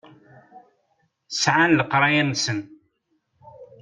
Sɛan leqraya-nsen.